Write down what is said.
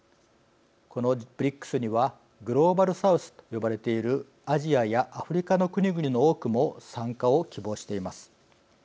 このＢＲＩＣＳにはグローバルサウスと呼ばれているアジアやアフリカの国々の多くも参加を希望しています。